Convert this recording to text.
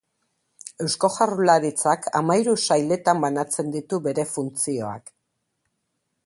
Eusko Jaurlaritzak hamahiru sailetan banatzen ditu bere funtzioak.